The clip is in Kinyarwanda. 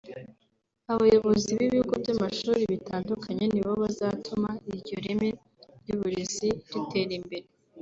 Abayobozi b’ibigo by’amashuri bitandukanye nibo bazatuma iryo reme ry’uburezi ritera imbere